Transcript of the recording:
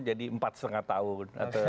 jadi empat lima tahun